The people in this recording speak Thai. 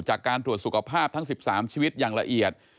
จากการตรวจสุขภาพทั้ง๑๓ชีวิตอย่างละเอียด